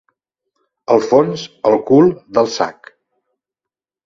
El fons, el cul, del sac.